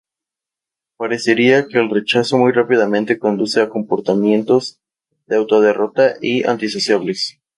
Parecería que el rechazo muy rápidamente conduce a comportamientos de auto derrota y antisociales.